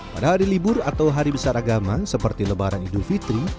pada hari libur atau hari besar agama seperti lebaran idul fitri